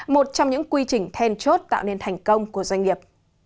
một trong những quy trình then chốt tạo nên thành công của doanh nghiệp